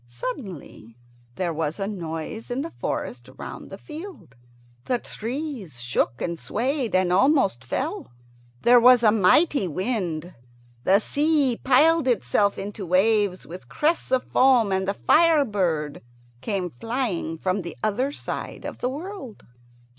Suddenly there was a noise in the forest round the field. The trees shook and swayed, and almost fell. There was a mighty wind. The sea piled itself into waves with crests of foam, and the fire bird came flying from the other side of the world.